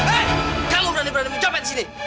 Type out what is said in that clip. hei kamu berani berani mencopet disini